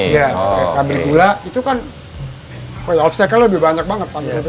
iya pabrik gula itu kan obstacle lebih banyak banget panggilnya